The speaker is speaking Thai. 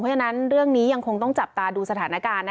เพราะฉะนั้นเรื่องนี้ยังคงต้องจับตาดูสถานการณ์